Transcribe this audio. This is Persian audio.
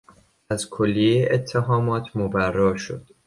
از کلیه اتهامات مبرا شد.